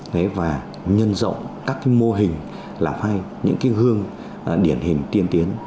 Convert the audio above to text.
thế và nhân rộng các cái mô hình làm hai những cái hương điển hình tiên tiến